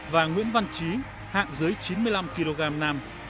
và nguyễn văn trí hạng dưới chín mươi năm kg nam